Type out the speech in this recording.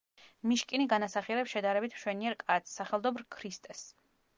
მიშკინი განასახიერებს „შედარებით მშვენიერ კაცს“, სახელდობრ ქრისტეს.